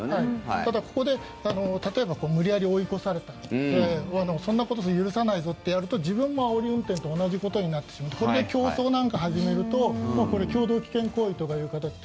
ただ、ここで例えば無理やり追い越されたそんなこと許さないぞとやると自分もあおり運転と同じことになってしまってこれで競走なんか始めると共同危険行為という形で